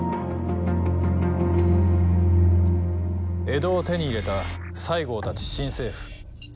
江戸を手に入れた西郷たち新政府。